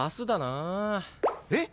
えっ？